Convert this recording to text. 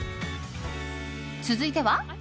続いては。